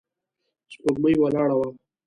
سپوږمۍ ولاړه وه.